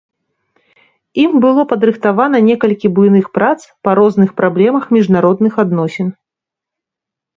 Ім было падрыхтавана некалькі буйных прац па розных праблемах міжнародных адносін.